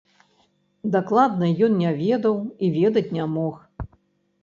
Дакладна ён не ведаў і ведаць не мог.